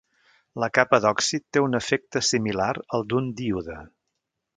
La capa d'òxid té un efecte similar al d'un díode.